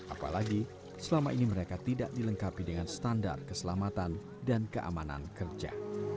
apalagi selama ini mereka tidak dilengkapi dengan standar keselamatan dan keamanan kerja